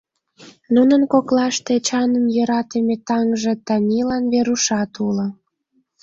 Нунын коклаште Эчанын йӧратыме таҥже Танилан Верушат уло.